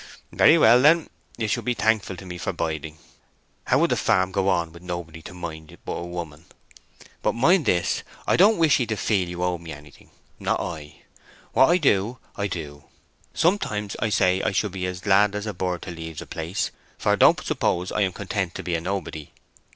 "Very well, then; you should be thankful to me for biding. How would the farm go on with nobody to mind it but a woman? But mind this, I don't wish 'ee to feel you owe me anything. Not I. What I do, I do. Sometimes I say I should be as glad as a bird to leave the place—for don't suppose I'm content to be a nobody.